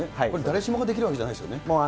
これ、誰しもができるわけじゃないですね。